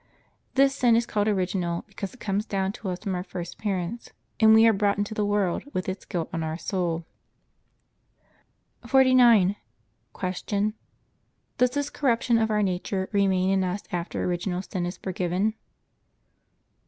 This sin is called original because it comes down to us from our first parents, and we are brought into the world with its guilt on our soul. 49. Q. Does this corruption of our nature remain in us after original sin is forgiven?